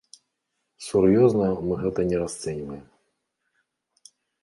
Сур'ёзна мы гэта не расцэньваем.